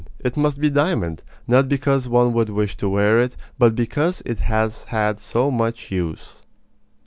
It must be diamond, not because one would wish to wear it, but because it has had so much use!